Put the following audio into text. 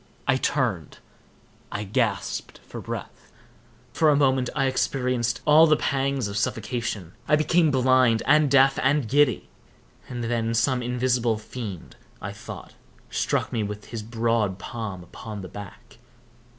I turned—I gasped for breath. For a moment I experienced all the pangs of suffocation; I became blind, and deaf, and giddy; and then some invisible fiend, I thought, struck me with his broad palm upon the back.